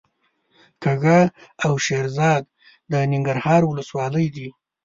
کږه او شیرزاد د ننګرهار ولسوالۍ دي.